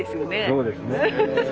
そうですね。